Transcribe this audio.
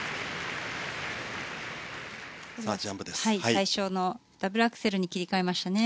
最初、ダブルアクセルに切り替えましたね。